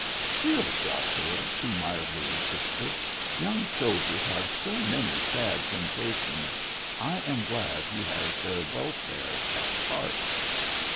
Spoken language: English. "Still, Joshua," she mildly insisted, "young soldiers have so many sad temptations, I am glad he has their welfare at heart."